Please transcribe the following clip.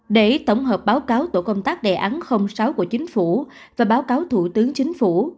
để tổng hợp báo cáo tổ công tác đề án sáu của chính phủ và báo cáo thủ tướng chính phủ